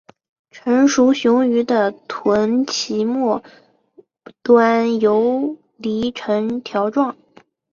成熟雄鱼的臀鳍末端游离呈条状。